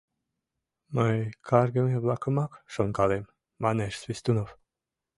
— Мый каргыме-влакымак шонкалем, — манеш Свистунов.